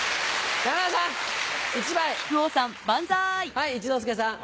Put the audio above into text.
はい一之輔さん。